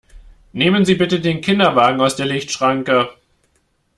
Nehmen Sie bitte den Kinderwagen aus der Lichtschranke!